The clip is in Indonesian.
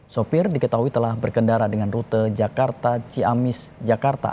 sopir diketahui telah berkendara dengan rute jakarta ciamis jakarta